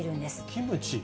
キムチ？